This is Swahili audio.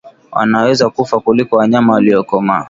wanaweza kufa kuliko wanyama waliokomaa